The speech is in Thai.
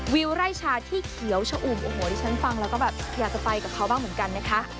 วิวไร่ชาที่เขียวชะอุ่มโอ้โหที่ฉันฟังแล้วก็แบบอยากจะไปกับเขาบ้างเหมือนกันนะคะ